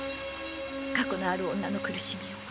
過去のある女の苦しみを。